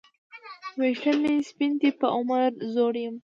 وېښته مي سپین دي په عمر زوړ یم